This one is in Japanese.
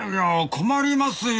困りますよ。